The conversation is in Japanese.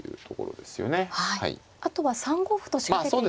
あとは３五歩と仕掛けていく手も。